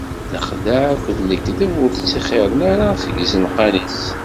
Lexdeɛ akked lekdeb ur ttixxiṛen ara seg izenqan-is.